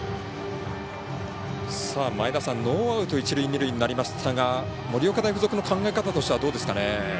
ノーアウト一塁二塁になりましたが盛岡大付属の考え方としてはどうでしょうか。